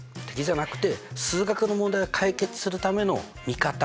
敵じゃなくて数学の問題を解決するための味方。